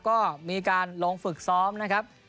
ก็มีการลงฝึกซ้อมนะครับ